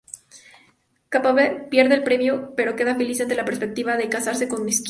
Krabappel pierde el premio, pero queda feliz ante la perspectiva de casarse con Skinner.